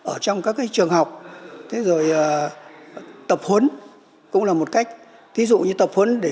ở trong các trường học thế rồi tập huấn cũng là một cách thí dụ như tập huấn để